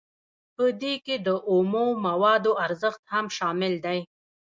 په دې کې د اومو موادو ارزښت هم شامل دی